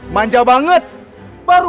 manja banget baru baru